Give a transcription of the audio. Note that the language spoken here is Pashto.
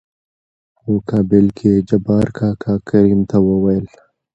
په مقابل کې يې جبار کاکا کريم ته وويل :